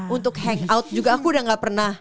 untuk hangout juga aku udah gak pernah